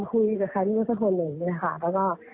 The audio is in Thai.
คุยกับใครสักคนหนึ่งเลยค่ะแล้วก็